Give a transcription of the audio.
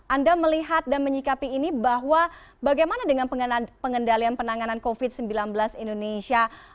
anda melihat dan menyikapi ini bahwa bagaimana dengan pengendalian penanganan covid sembilan belas indonesia